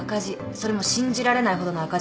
それも信じられないほどの赤字。